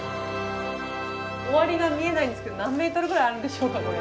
終わりが見えないんですけど何ｍぐらいあるんでしょうかこれ。